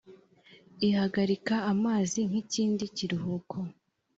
ihagarika amazi nk ikindi kiruhuko